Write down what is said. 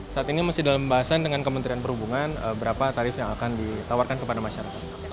saat ini masih dalam pembahasan dengan kementerian perhubungan berapa tarif yang akan ditawarkan kepada masyarakat